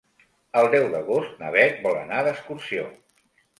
El deu d'agost na Beth vol anar d'excursió.